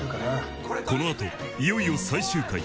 ［この後いよいよ最終回］